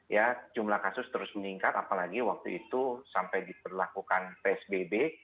ya jumlah kasus terus meningkat apalagi waktu itu sampai diperlakukan psbb